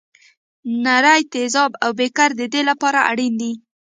نري تیزاب او بیکر د دې لپاره اړین دي.